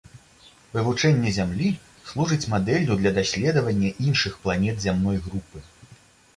Вывучэнне зямлі служыць мадэллю для даследавання іншых планет зямной групы.